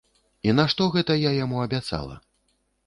І нашто гэта я яму абяцала?